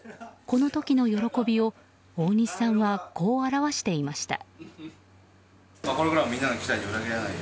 この時の喜びを大西さんはこう表していました。